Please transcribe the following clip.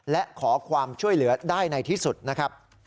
และขอความช่วยเหลือได้ในที่สุดนะครับ